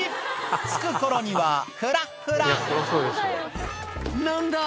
着く頃にはふらっふら何だ？